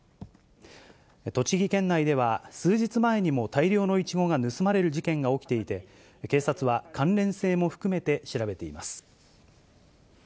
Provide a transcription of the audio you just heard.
栃木県内では、数日前にも大量のイチゴが盗まれる事件が起きていて、警察は関連性も含めて調べています。